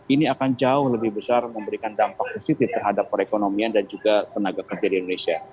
ini akan jauh lebih besar memberikan dampak positif terhadap perekonomian dan juga tenaga kerja di indonesia